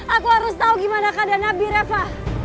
aku harus tau gimana keadaan abi reva